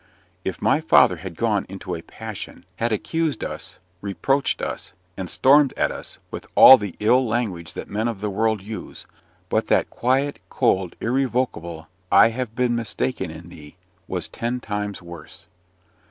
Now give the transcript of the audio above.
If my father had gone into a passion, had accused us, reproached us, and stormed at us with all the ill language that men of the world use! but that quiet, cold, irrevocable, "I have been mistaken in thee!" was ten times worse.